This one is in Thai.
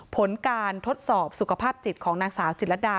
ผลการทดสอบสุขภาพจิตของนางสาวจิตรดา